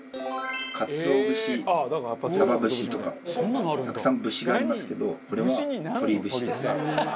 かつお節さば節とかたくさん節がありますけどこれは鶏節です。